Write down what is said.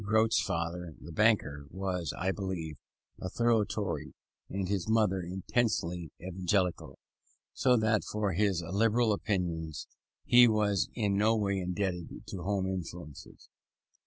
Grote's father, the banker, was, I believe, a thorough Tory, and his mother intensely Evangelical; so that for his liberal opinions he was in no way indebted to home influences.